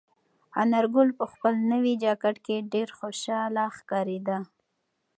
انارګل په خپل نوي جاکټ کې ډېر خوشحاله ښکارېده.